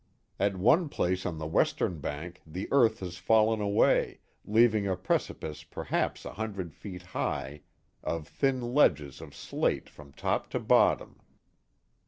At one place on the western bank the earth has fallen away leav ing a precipice perhaps a hundred feet high of thin ledges of slate from top to bottom.